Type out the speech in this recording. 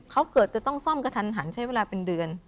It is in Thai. เขาเกิดจะต้องซ่อมกระทันหันใช้เวลาเป็นเดือน